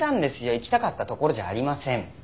行きたかったところじゃありません。